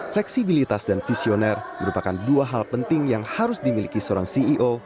fleksibilitas dan visioner merupakan dua hal penting yang harus dimiliki seorang ceo